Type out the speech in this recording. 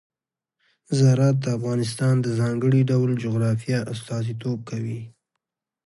زراعت د افغانستان د ځانګړي ډول جغرافیه استازیتوب کوي.